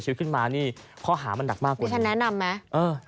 ชีวิตขึ้นมานี่ข้อหามันดักมากกว่านี้กูฉันแนะนำไหมเออ